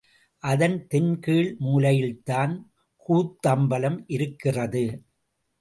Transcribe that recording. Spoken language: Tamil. அதன் தென் கீழ மூலையில்தான் கூத்தம்பலம் இருக்கிறது.